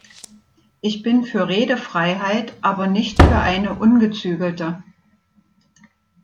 Ich bin für Redefreiheit, aber nicht für eine ungezügelte.